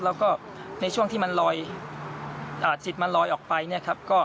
แล้วก็ในช่วงที่มันลอยจิตมันลอยออกไปเนี่ยครับ